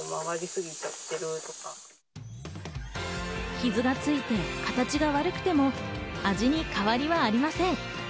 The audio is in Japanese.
傷がついて形が悪くても、味に変わりはありません。